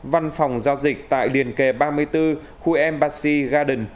văn phòng giao dịch tại liền kề ba mươi bốn khu embassy garden